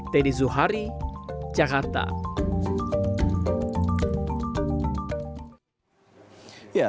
teddy zuhari jakarta